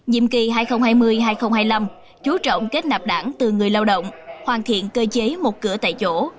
nhiệm kỳ hai nghìn hai mươi hai nghìn hai mươi năm chú trọng kết nạp đảng từ người lao động hoàn thiện cơ chế một cửa tại chỗ